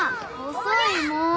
遅いもう。